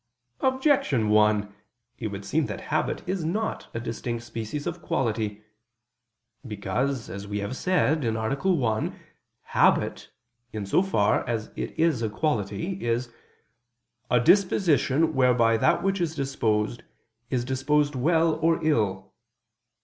Objection 1: It would seem that habit is not a distinct species of quality. Because, as we have said (A. 1), habit, in so far as it is a quality, is "a disposition whereby that which is disposed is disposed well or ill."